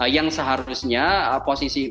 yang seharusnya posisi